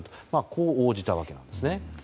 こう応じたわけなんですね。